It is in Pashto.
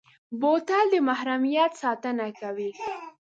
بوتل د محرمیت ساتنه کوي.